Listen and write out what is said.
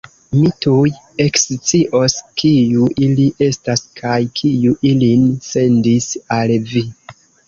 Mi tuj ekscios, kiu ili estas kaj kiu ilin sendis al vi!